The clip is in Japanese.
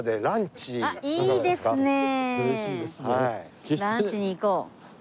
ランチに行こう。